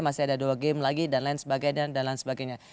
masih ada dua game lagi dan lain sebagainya